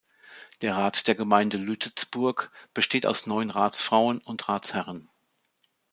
Der Rat der Gemeinde Lütetsburg besteht aus neun Ratsfrauen und Ratsherren.